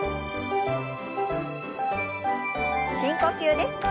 深呼吸です。